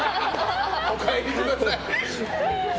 お帰りください。